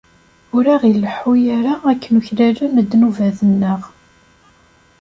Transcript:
Ur aɣ-ileḥḥu ara akken uklalen ddnubat-nneɣ.